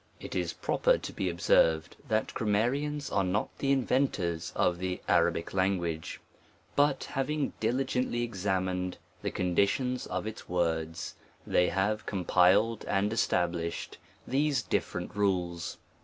IT is proper to be observed, that grammarians are riot the inventors of the Arabic language ; but, having diligently examined the conditions of its words, they have compile T and established these different rules.